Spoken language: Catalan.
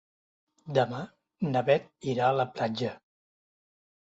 Demà na Beth irà a la platja.